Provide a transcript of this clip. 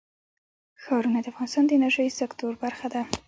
ښارونه د افغانستان د انرژۍ سکتور برخه ده.